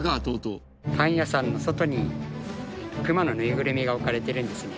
パン屋さんの外にクマのぬいぐるみが置かれてるんですね。